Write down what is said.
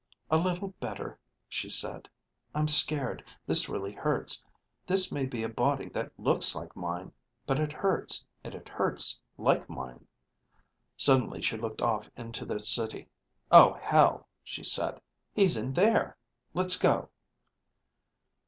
"A little better," she said. "I'm scared. This really hurts. This may be a body that looks like mine, but it hurts, and it hurts like mine." Suddenly she looked off into the city. "Oh hell," she said. "He's in there. Let's go."